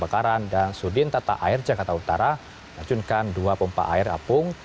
bakaran dan sudin tata air jakarta utara terjunkan dua pompa air apung